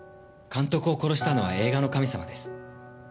監督を殺したのは映画の神様です。